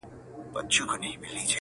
هم سلوک هم یې رفتار د ملکې وو-